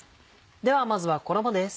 ではまずは衣です。